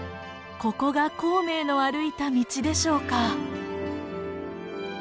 ここが孔明の歩いた道でしょうか。